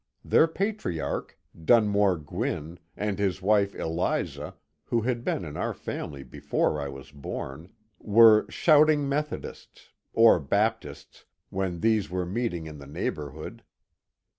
Their patriarch, Dunmore Gwinn, and his wife Eliza — who had been in our family before I was bom — were '^shouting Methodists," — or Baptists, when these were meeting in the neighbourhood.